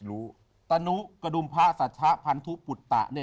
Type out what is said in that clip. สัญญาณว่าตะนุกรดุมพ่าสัตชะพันธุปุฏตา